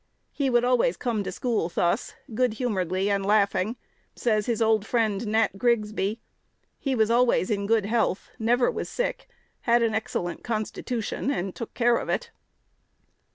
"1 "He would always come to school thus, good humoredly and laughing," says his old friend, Nat Grigsby. "He was always in good health, never was sick, had an excellent constitution, and took care of it."